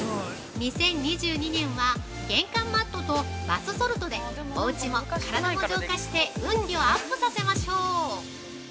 ◆２０２２年は玄関マットとバスソルトで、おうちも体も浄化して運気をアップさせましょう！